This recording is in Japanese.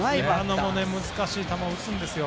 難しい球を打つんですよ。